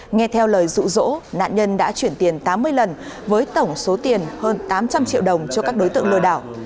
nghe theo lời rụ rỗ nạn nhân đã chuyển tiền tám mươi lần với tổng số tiền hơn tám trăm linh triệu đồng cho các đối tượng lừa đảo